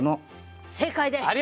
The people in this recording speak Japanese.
正解です！